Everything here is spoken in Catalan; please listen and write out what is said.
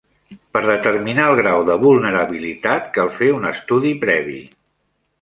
Per determinar el grau de vulnerabilitat cal fer un estudi previ.